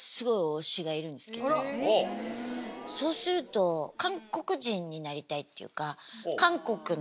そうすると韓国人になりたいっていうか。